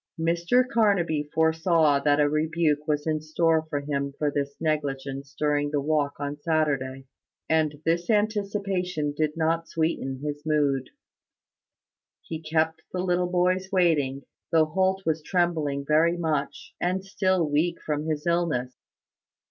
Mr Carnaby foresaw that a rebuke was in store for him for his negligence during the walk on Saturday; and this anticipation did not sweeten his mood. He kept the little boys waiting, though Holt was trembling very much, and still weak from his illness.